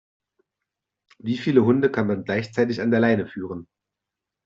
Wie viele Hunde kann man gleichzeitig an der Leine führen?